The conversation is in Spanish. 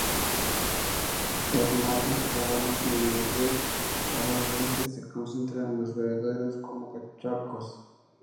Los machos acabados de emerger a veces se concentran en bebederos como charcos.